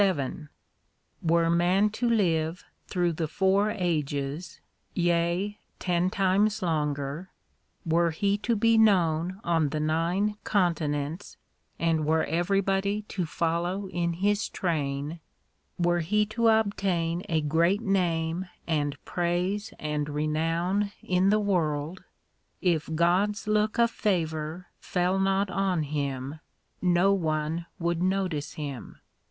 VII Were man to live through the four ages, yea ten times longer ; Were he to be known on the nine continents, and were everybody to follow in his train ; l Were he to obtain a great name and praise and renown in the world ; If God s look of favour fell not on him, no one would notice him.